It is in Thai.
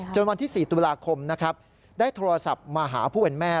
วันที่๔ตุลาคมนะครับได้โทรศัพท์มาหาผู้เป็นแม่